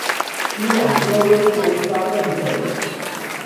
Few observers foresaw the result.